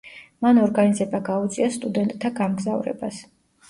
მან ორგანიზება გაუწია სტუდენტთა გამგზავრებას.